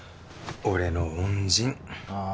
俺の恩人あ